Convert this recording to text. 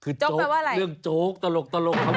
คือโจ๊กเรื่องโจ๊กตลกคำสามจ๊อคเป็นอะไร